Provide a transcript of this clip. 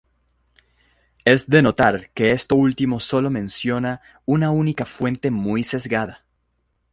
Es de notar que esto último solo lo menciona una única fuente muy sesgada.